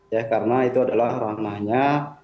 ya karena itu adalah ranahnya